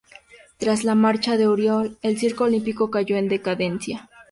Tras la marcha de Auriol, el Circo Olímpico cayó en decadencia.